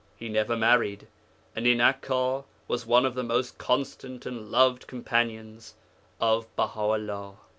'He never married, and in Akka was one of the most constant and loved companions of Baha 'ullah.